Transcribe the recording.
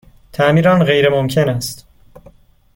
تعمیر آن غیرممکن است.